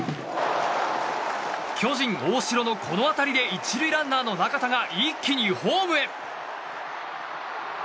巨人、大城のこの当たりで１塁ランナーの中田が一気にホームへ！